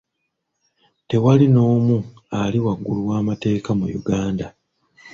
Tewali n'omu ali waggulu w'amateeka mu Uganda.